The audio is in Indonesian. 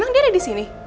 bukan dia ada di sini